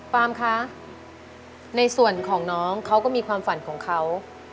คะในส่วนของน้องเขาก็มีความฝันของเขา